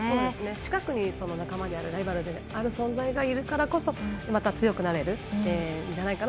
近くに、仲間であるライバルである存在がいるからこそまた強くなれるんじゃないかな。